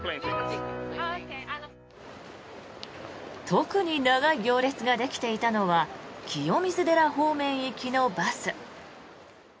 特に長い行列ができていたのは清水寺方面行きのバス。